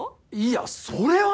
いやそれは。